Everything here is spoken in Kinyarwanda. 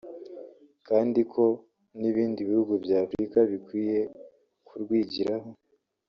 kandi ko n’ibindi bihugu bya Afurika bikwiye kurwigiraho